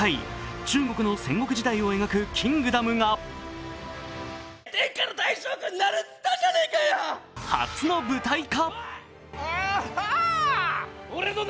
中国の戦国時代を描く「キングダム」が初の舞台化。